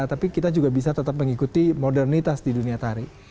tapi kita juga bisa tetap mengikuti modernitas di dunia tari